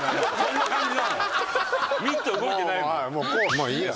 「もういいや」